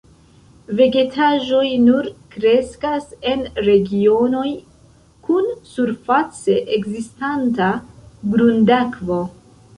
Vegetaĵoj nur kreskas en regionoj kun surface ekzistanta grundakvo.